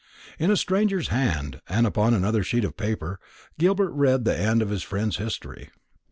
In a stranger's hand, and upon another sheet of paper, Gilbert read the end of his friend's history.